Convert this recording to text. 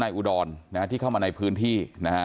นายอุดรที่เข้ามาในพื้นที่